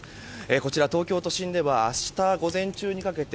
こちら、東京都心では明日午前中にかけて